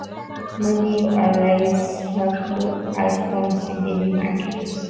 maji wa rais bagbo alfonsi jeje madi